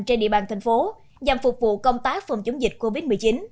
trên địa bàn thành phố nhằm phục vụ công tác phòng chống dịch covid một mươi chín